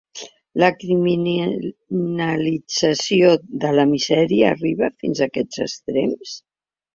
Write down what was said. La criminalització de la misèria arriba fins a aquests extrems?